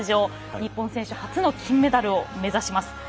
日本人選手初の金メダルを目指します。